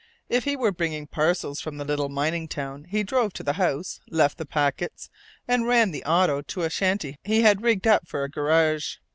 If he were bringing parcels from the little mining town, he drove to the house, left the packets, and ran the auto to a shanty he had rigged up for a garage.